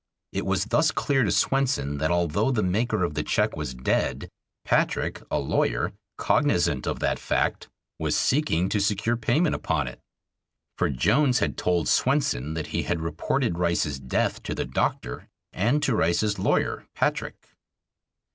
It was thus clear to Swenson that although the maker of the check was dead, Patrick, a lawyer, cognizant of that fact, was seeking to secure payment upon it. For Jones had told Swenson that he had reported Rice's death to the doctor and to Rice's lawyer, Patrick.